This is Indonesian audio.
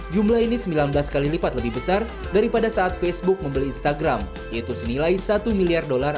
jumlah ini sembilan belas kali lipat lebih besar daripada saat facebook membeli instagram yaitu senilai satu miliar dolar